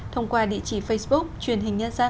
thông qua địa chỉ facebook truyền hình nhân dân